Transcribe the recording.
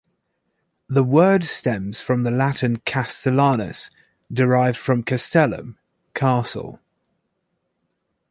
The word stems from the Latin "Castellanus", derived from "castellum" "castle".